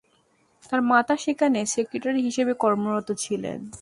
তার মাতা সেখানে সেক্রেটারি হিসেবে কর্মরত ছিলেন।